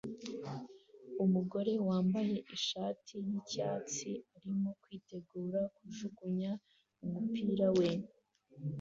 Umugore wambaye ishati yicyatsi arimo kwitegura kujugunya umupira we